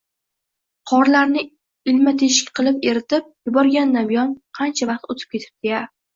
qorlarni ilma-tekshik qilib eritib yuborgandan buyon qancha vaqt oʻtib ketibdi-ya